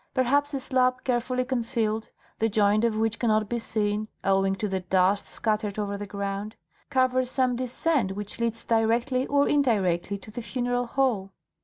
Perhaps a slab carefully concealed, the joint of which cannot be seen, owing to the dust scattered over the ground, covers some descent which leads, directly or indirectly, to the funeral hall."